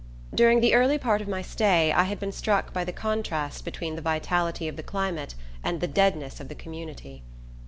During the early part of my stay I had been struck by the contrast between the vitality of the climate and the deadness of the community.